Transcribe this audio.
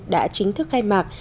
đã chính thức khai mặc